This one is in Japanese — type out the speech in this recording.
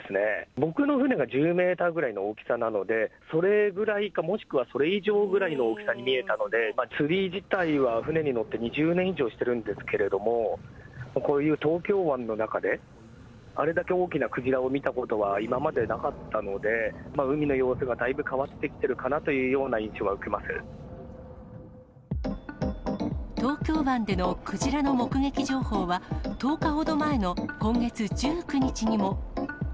僕の船が１０メートルぐらいの大きさなので、それぐらいか、もしくはそれ以上ぐらいの大きさに見えたので、釣り自体は、船に乗って２０年以上してるんですけれども、こういう東京湾の中で、あれだけ大きなクジラを見たことは今までなかったので、海の様子がだいぶ変わってきているかなというような印象は受けま東京湾でのクジラの目撃情報は、１０日ほど前の今月１９日にも。